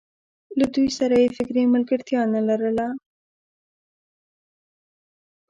له دوی سره یې فکري ملګرتیا نه لرله.